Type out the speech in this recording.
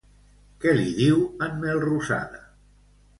Què li diu en Melrosada?